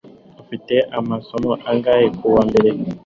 Ufite amasomo angahe kuwa mbere?